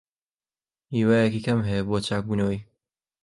هیوایەکی کەم هەیە بۆ چاکبوونەوەی.